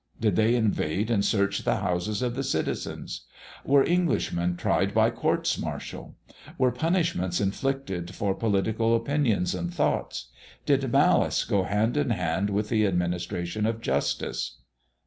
Did they invade and search the houses of the citizens? Were Englishmen tried by courts martial? Were punishments inflicted for political opinions and thoughts? Did malice go hand in hand with the administration of justice?